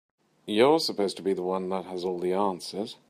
You're supposed to be the one that has all the answers.